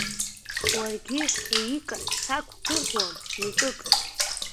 Уаргьы уика сақәгәыӷуам митәык.